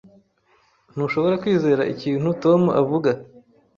Ntushobora kwizera ikintu Tom avuga.